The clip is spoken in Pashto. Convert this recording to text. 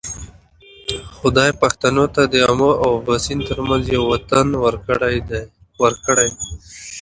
خدای پښتنو ته د آمو او باسین ترمنځ یو وطن ورکړی.